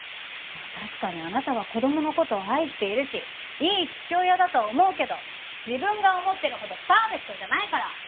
まあ確かにあなたは子供の事を愛しているしいい父親だと思うけど自分が思ってるほどパーフェクトじゃないから！